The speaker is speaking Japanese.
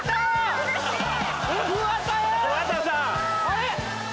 あれ！